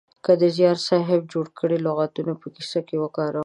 که د زیار صاحب جوړ کړي لغاتونه په کیسه کې وکاروم